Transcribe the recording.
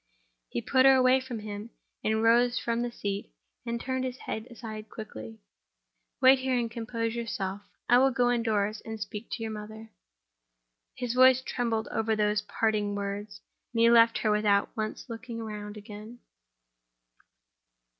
He put her away from him, and rose from the seat, and turned his head aside quickly. "Wait here, and compose yourself; I will go indoors and speak to your mother." His voice trembled over those parting words; and he left her without once looking round again.